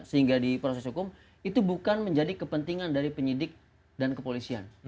sehingga di proses hukum itu bukan menjadi kepentingan dari penyidik dan kepolisian